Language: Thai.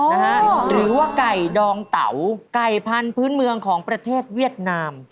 หรือว่าไก่ดองเต๋าไก่พันธุ์เมืองของประเทศเวียดนาม